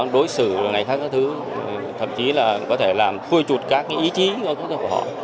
đối xử các thứ thậm chí là có thể làm khui trụt các cái ý chí của họ